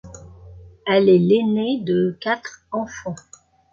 Elle est l'aînée de quatre enfants.